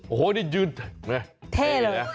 โอ้โหนี่ยืนเท่เลย